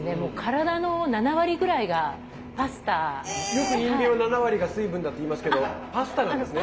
よく人間は７割が水分だっていいますけどパスタなんですね。